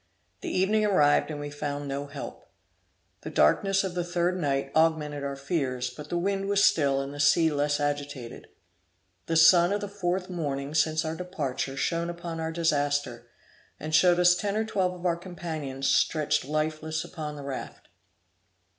The evening arrived, and we found no help. The darkness of the third night augmented our fears, but the wind was still, and the sea less agitated. The sun of the fourth morning since our departure shone upon our disaster, and showed us ten or twelve of our companions stretched lifeless upon the raft.